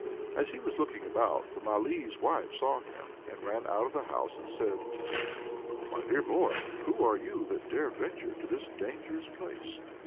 As he was looking about, the Malee's wife saw him, and ran out of the house and said, "My dear boy, who are you that dare venture to this dangerous place?"